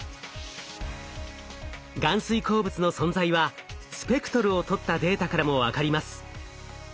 含水鉱物の存在はスペクトルを取ったデータからも分かります。